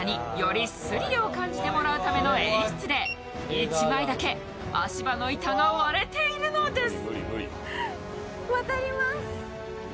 １枚だけ足場の板が割れているのです。